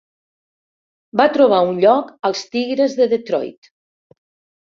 Va trobar un lloc als Tigres de Detroit.